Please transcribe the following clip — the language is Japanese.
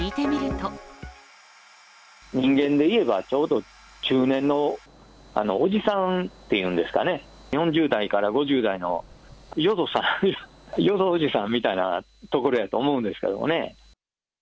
人間でいえば、ちょうど中年のおじさんっていうんですかね、４０代から５０代の淀さん、淀おじさんみたいなところやと思うんですけどね。